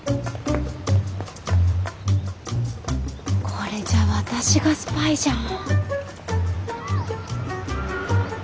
これじゃ私がスパイじゃん。